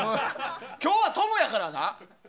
今日はトムやからな！